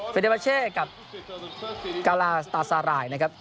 เฟเลยบอลครับกักด่าสลาย